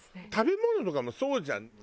食べ物とかもそうじゃん。